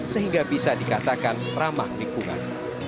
sehingga bisa dikatakan ramah lingkungan